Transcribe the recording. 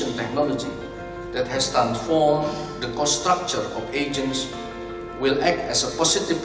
yang telah diubahkan konstruksi agen akan menjadi katalis positif